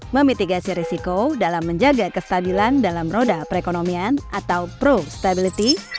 memitigasi risiko dalam menjaga kestabilan dalam roda perekonomian atau prostability